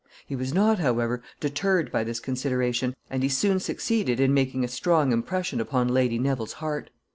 He was not, however, deterred by this consideration, and he soon succeeded in making a strong impression upon Lady Neville's heart.